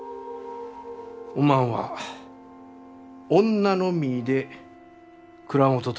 おまんは女の身で蔵元となった。